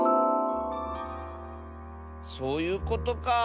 そういうことか。